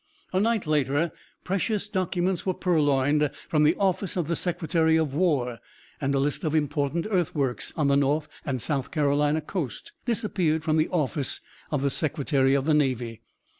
A night later precious documents were purloined from the office of the Secretary of War and a list of important earthworks on the North and South Carolina coast disappeared from the office of the Secretary of the Navy.